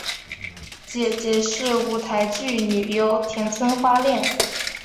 姐姐是舞台剧女优田村花恋。